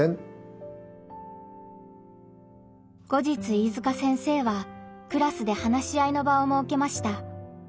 後日飯塚先生はクラスで話し合いの場をもうけました。